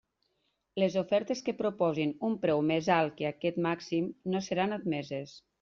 Les ofertes que proposin un preu més alt que aquest màxim no seran admeses.